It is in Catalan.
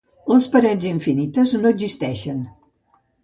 Les parets infinites no existeixen.